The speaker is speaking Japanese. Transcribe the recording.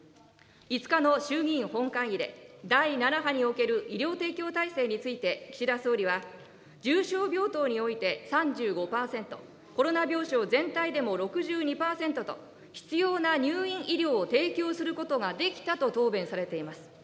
５日の衆議院本会議で、第７波における医療提供体制について、岸田総理は、重症病棟において３５％、コロナ病床全体でも６２％と、必要な入院医療を提供することができたと答弁されています。